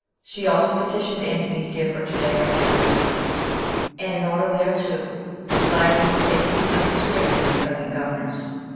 She also petitioned Antony to give her Judea and Arabia; and, in order thereto, desired him to take these countries away from their present governors.